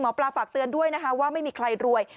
ฝากเตือนด้วยนะคะว่าไม่มีใครรวย